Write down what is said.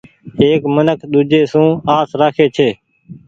ايڪ منک ۮيجھي سون آس رکي ڇي۔